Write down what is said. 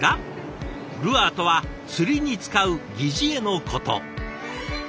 ルアーとは釣りに使う「擬似餌」のこと。